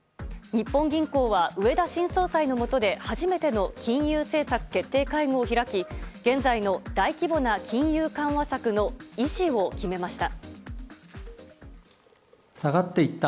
日本銀行は植田新総裁のもとで初めての金融政策決定会合を開き現在の大規模な金融緩和策の維持を決めました。